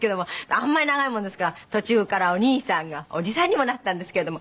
あんまり長いもんですから途中からお兄さんがおじさんにもなったんですけれども。